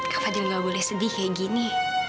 kak fadil nggak boleh sedih kayak gini